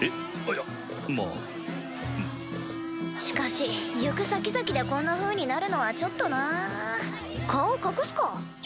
しかし行く先々でこんなふうになるのはちょっとなぁ顔隠すか？